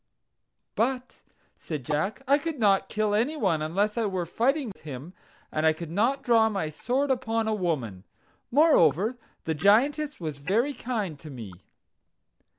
"But," said Jack, "I could not kill any one unless I were fighting with him; and I could not draw my sword upon a woman. Moreover, the Giantess was very kind to me."